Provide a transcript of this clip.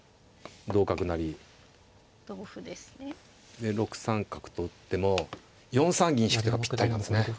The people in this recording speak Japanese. で６三角と打っても４三銀引く手がぴったりなんですね。